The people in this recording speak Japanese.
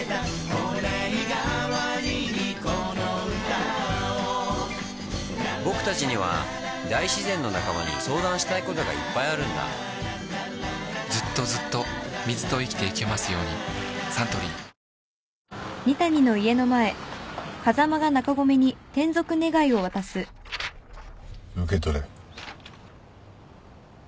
御礼がわりにこの歌をぼくたちには大自然の仲間に相談したいことがいっぱいあるんだずっとずっと水と生きてゆけますようにサントリー受け取れ。